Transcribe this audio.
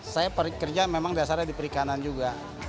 saya kerja memang dasarnya di perikanan juga